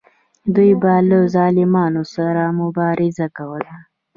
دوی به له ظالمانو سره مبارزه کوله.